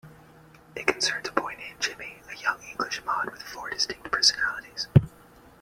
It concerns a boy named Jimmy, a young English Mod with four distinct personalities.